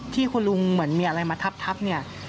ที่คุณลุงเหมือนมีอะไรมาทับเนี่ย